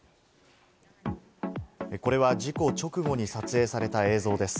これは事故直後に撮影された映像です。